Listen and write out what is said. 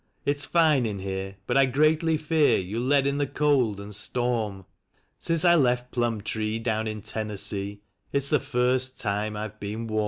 It's fine in here, but I greatly fear you'll let in the cold and storm — Since I left Plumtree, down in Tennessee, it's the first time I've been warm."